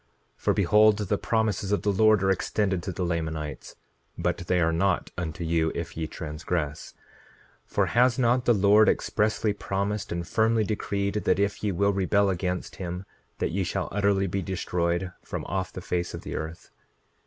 9:24 For behold, the promises of the Lord are extended to the Lamanites, but they are not unto you if ye transgress; for has not the Lord expressly promised and firmly decreed, that if ye will rebel against him that ye shall utterly be destroyed from off the face of the earth?